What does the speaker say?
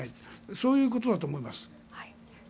そういうことだと思います。